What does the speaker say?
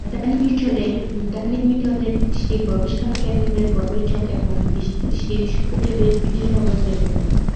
মেদানি মিসরের কৃষি গবেষণাকেন্দ্রের গবেষক এবং দেশটির শীর্ষ পরিবেশ বিশেষজ্ঞদের একজন।